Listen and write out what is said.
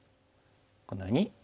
このように。